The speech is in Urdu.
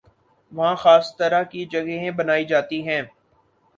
وہاں خاص طرح کی جگہیں بنائی جاتی ہیں